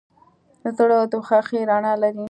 زړه د خوښۍ رڼا لري.